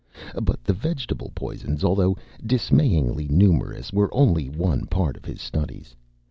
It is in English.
But the vegetable poisons, although dismayingly numerous, were only one part of his studies.